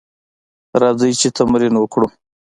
راځئ چې تمرین وکړو: